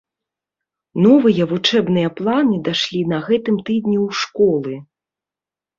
Новыя вучэбныя планы дашлі на гэтым тыдні ў школы.